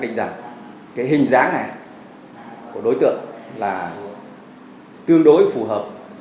định rằng cái hình dáng này của đối tượng là tương đối phù hợp